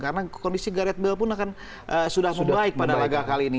karena kondisi garet bel pun akan sudah membaik pada lagak kali ini